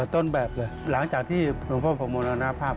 ต้นแบบเลยหลังจากที่หลวงพ่อผมมรณภาพ